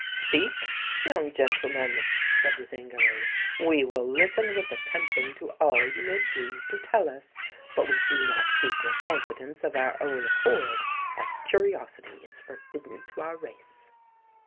"Speak, young gentleman," said Zingary: "we will listen with attention to all you may please to tell us; but we do not seek your confidence of our own accord, as curiosity is forbidden to our race."